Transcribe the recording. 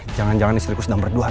jangan jangan istriku sedang berduaan